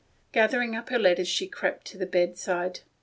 . Gathering up her letters she crept to the bedside.